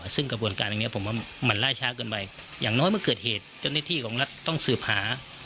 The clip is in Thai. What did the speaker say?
ซึ่งกระบวนการอย่างนี้ผมว่ามันล่าช้าเกินไปอย่างน้อยเมื่อเกิดเหตุเจ้าหน้าที่ของรัฐต้องสืบหา